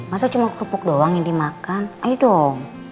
masa cuma kerupuk doang yang dimakan ayo dong